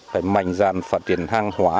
phải mạnh dàn phát triển hàng hóa